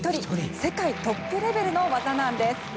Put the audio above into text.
世界トップレベルの技なんです。